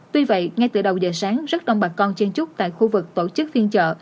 tuy vậy ngay từ đầu giờ sáng rất đông bà con chen chút tại khu vực tổ chức phiên trợ